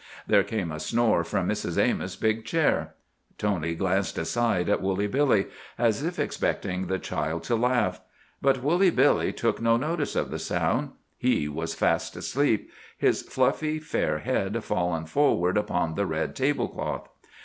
There came a snore from Mrs. Amos' big chair. Tony glanced aside at Woolly Billy, as if expecting the child to laugh. But Woolly Billy took no notice of the sound. He was fast asleep, his fluffy fair head fallen forward upon the red table cloth.